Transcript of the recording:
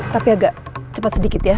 tapi agak cepat sedikit ya